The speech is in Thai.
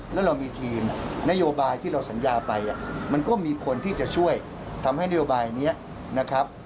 แล้วเรามีทีมนโยบายที่เราสัญญาไปมันก็มีคนที่จะช่วยทำให้นโยบายนี้นะครับ